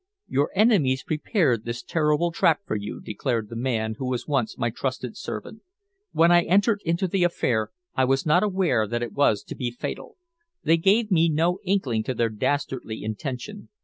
"Your enemies prepared this terrible trap for you," declared the man who was once my trusted servant. "When I entered into the affair I was not aware that it was to be fatal. They gave me no inkling of their dastardly intention.